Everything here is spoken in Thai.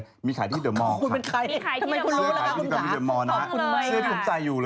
ยกขาฉีเนี่ยแค่มองจังหละ